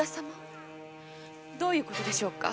どういう事でしょうか？